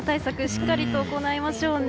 しっかりと行いましょうね。